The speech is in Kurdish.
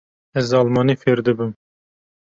Ez almanî fêr dibim.